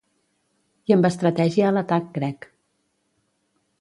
I amb estratègia a l’atac, crec.